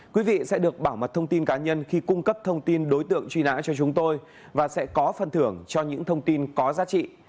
quý vị sẽ được bảo mật thông tin cá nhân khi cung cấp thông tin đối tượng truy nã cho chúng tôi và sẽ có phần thưởng cho những thông tin có giá trị